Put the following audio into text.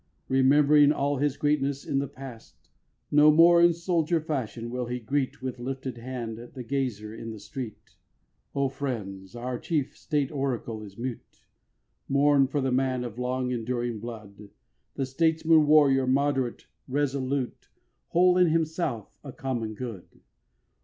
Remembering all his greatness in the Past. No more in soldier fashion will he greet With lifted hand the gazer in the street. O friends, our chief state oracle is mute: Mourn for the man of long enduring blood, The statesman warrior, moderate, resolute, Whole in himself, a common good.